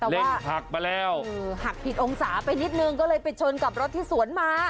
รถหักมาแล้วหักผิดองศาไปนิดนึงก็เลยไปชนกับรถที่สวนมา